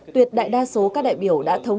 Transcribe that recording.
tuyệt đại đa số các đại biểu đã thống